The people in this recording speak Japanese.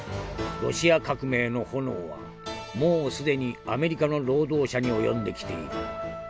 ロシア革命の炎はもう既にアメリカの労働者に及んできている。